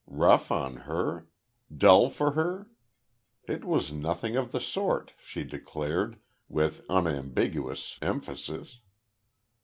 Rough on her? Dull for her? It was nothing of the sort, she declared with unambiguous emphasis.